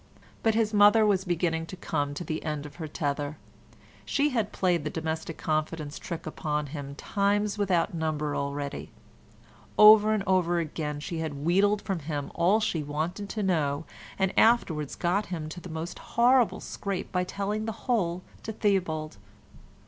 But his mother was beginning to come to the end of her tether; she had played the domestic confidence trick upon him times without number already. Over and over again had she wheedled from him all she wanted to know, and afterwards got him into the most horrible scrape by telling the whole to Theobald.